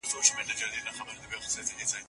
د ذمي قاتل به د خپل عمل سزا ویني.